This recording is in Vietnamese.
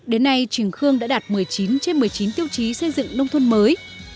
đến nay trường khương đã đạt một mươi chín trên một mươi chín tiêu chí xây dựng nông thôn mới